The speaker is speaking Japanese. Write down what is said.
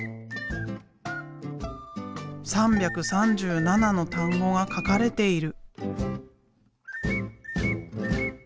３３７の単語が書かれている。